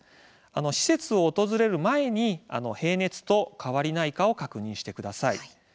施設を訪れる前に平熱と変わりないかを確認してください。